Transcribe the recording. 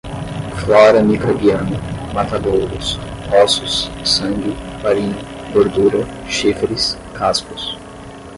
flora microbiana, matadouros, ossos, sangue, farinha, gordura, chifres, cascos